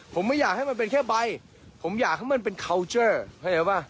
ผมไม่อยากให้มันเป็นแค่ใบผมอยากให้มันเป็นเคาน์เจอร์เข้าใจป่ะ